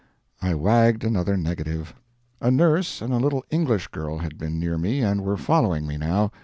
I wagged another negative. A nurse and a little English girl had been near me, and were following me, now.